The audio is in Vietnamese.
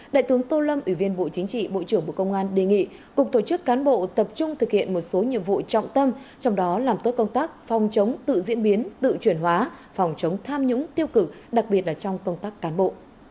đại tướng tô lâm ủy viên bộ chính trị bộ trưởng bộ công an đề nghị cục tổ chức cán bộ tập trung thực hiện một số nhiệm vụ trọng tâm trong đó làm tốt công tác phòng chống tự diễn biến tự chuyển hóa phòng chống tham nhũng tiêu cực đặc biệt là trong công tác cán bộ